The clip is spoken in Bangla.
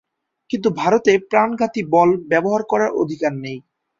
কিন্তু ভারতে প্রাণঘাতী বল ব্যবহার করার অধিকার নেই।